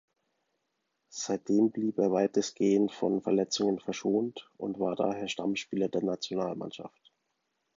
Seitdem blieb er weitestgehend von Verletzungen verschont und war daher Stammspieler der Nationalmannschaft.